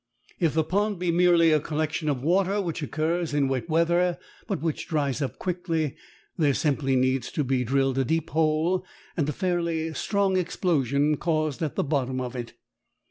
If the pond be merely a collection of water which occurs in wet weather, but which dries up quickly, there simply needs to be drilled a deep hole and a fairly strong explosion caused at the bottom of it.